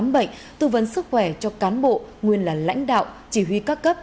bệnh tư vấn sức khỏe cho cán bộ nguyên là lãnh đạo chỉ huy các cấp